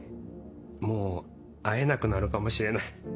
もう会えなくなるかもしれない。